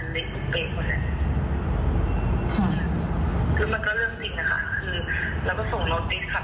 แล้วบุคคลเป็นคนอื่ระของหญ้าที่ดูเห็ดจากโบสถ์